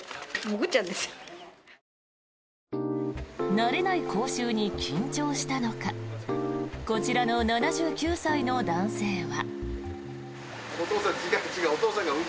慣れない講習に緊張したのかこちらの７９歳の男性は。